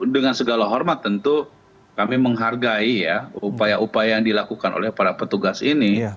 dengan segala hormat tentu kami menghargai ya upaya upaya yang dilakukan oleh para petugas ini